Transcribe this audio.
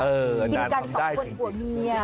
เออนานทำได้จริง